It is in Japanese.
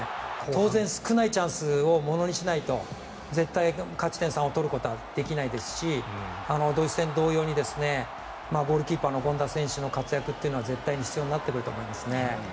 当然、少ないチャンスをものにしないと絶対勝ち点３を取ることはできないですしドイツ戦同様にゴールキーパーの権田選手の活躍というのは絶対に必要になってくると思いますね。